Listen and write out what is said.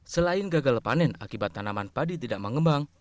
selain gagal panen akibat tanaman padi tidak mengembang